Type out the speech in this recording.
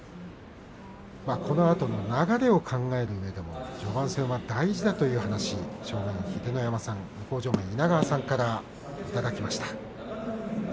このあとの流れを考えるうえでも序盤戦は大事だという話を秀ノ山親方と稲川親方からいただきました。